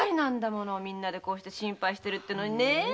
みんなでこうして心配してるのにね。